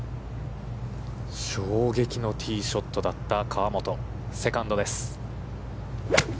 衝撃のティーショットだった河本、セカンドです。